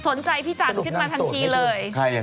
พี่จันทร์ขึ้นมาทันทีเลย